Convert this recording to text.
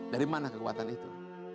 dari mana kekuatan itu